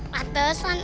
tapi udah pindah semuanya